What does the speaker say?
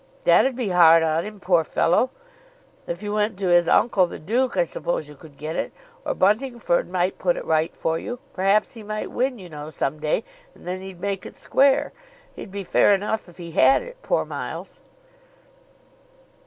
"That 'd be hard on him, poor fellow. If you went to his uncle the duke, I suppose you could get it. Or Buntingford might put it right for you. Perhaps he might win, you know, some day, and then he'd make it square. He'd be fair enough if he had it. Poor Miles!"